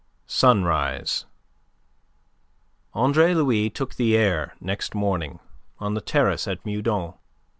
SUNRISE Andre Louis took the air next morning on the terrace at Meudon.